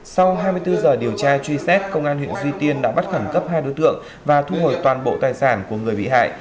sau hai mươi bốn giờ điều tra truy xét công an huyện duy tiên đã bắt khẩn cấp hai đối tượng và thu hồi toàn bộ tài sản của người bị hại